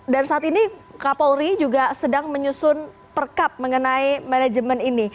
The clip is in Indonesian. dan saat ini kapolri juga sedang menyusun perkap mengenai manajemen ini